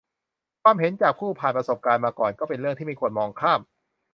ความเห็นจากผู้ผ่านประสบการณ์มาก่อนก็เป็นเรื่องไม่ควรมองข้าม